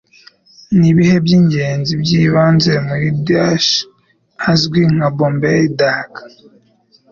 Nibihe Byingenzi Byibanze Muri Dish Azwi nka Bombay Duck